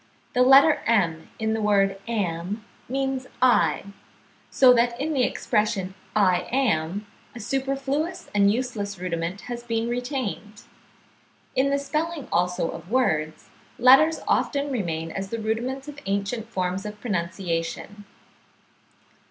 The letter m in the word am, means I; so that in the expression I am, a superfluous and useless rudiment has been retained. In the spelling also of words, letters often remain as the rudiments of ancient forms of pronunciation.